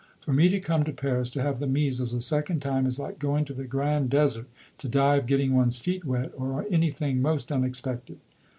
For me to come to Paris to have the measles a second time, is like going to the Grand Desert to die of getting one's feet wet, or anything most unexpected....